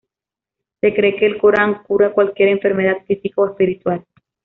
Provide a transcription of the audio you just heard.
Se cree que el Corán cura cualquier enfermedad física o espiritual.